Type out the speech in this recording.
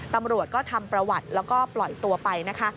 ตำรวจก็ทำประวัติแล้วก็ปล่อยตัวไปนะคะ